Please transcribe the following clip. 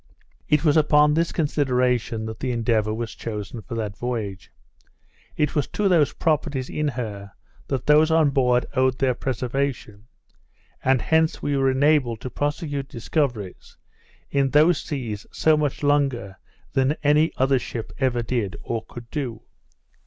It was upon this consideration that the Endeavour was chosen for that voyage. It was to those properties in her that those on board owed their preservation; and hence we were enabled to prosecute discoveries in those seas so much longer than any other ship ever did, or could do.